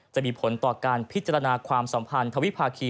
จะมีผลต่อการพิจารณาความสัมพันธวิภาคี